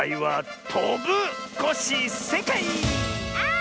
あ。